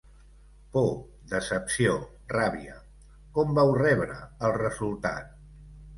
Por, decepció, ràbia… Com vau rebre el resultat?